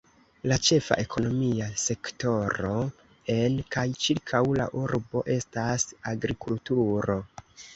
La ĉefa ekonomia sektoro en kaj ĉirkaŭ la urbo estas agrikulturo.